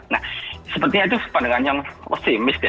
nah sepertinya itu pandangan yang oksimis ya